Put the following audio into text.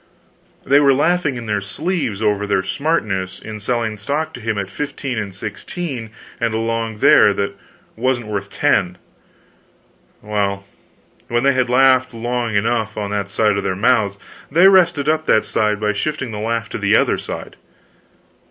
They were laughing in their sleeves over their smartness in selling stock to him at 15 and 16 and along there that wasn't worth 10. Well, when they had laughed long enough on that side of their mouths, they rested up that side by shifting the laugh to the other side.